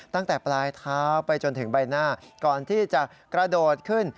ตั้งแต่ปลายเท้าไปจนถึงใบหน้าก่อนที่จะกระโดดขึ้น